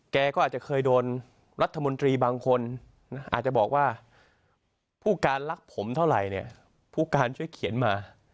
แกก็อาจจะเคยโดนรัฐมนตรีบางคนอาจจะบอกว่าผู้การรักผมเท่าไหร่เนี่ยผู้การช่วยเขียนมา